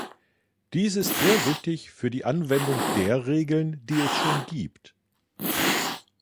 Dies ist sehr wichtig für die Anwendung der Regeln, die es schon gibt.